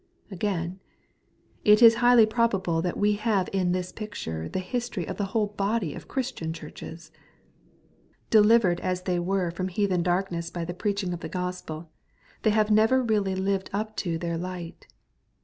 Again, it is highly probable that we have in this pic ture the history of the whole body of Christian churches. Delivered as they were from heathen darkness by the preaching of the Gospel, they have never really lived up to their light.